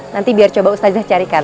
nanti biar ustadzah carikan